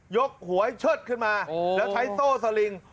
กหวยเชิดขึ้นมาแล้วใช้โซ่สลิง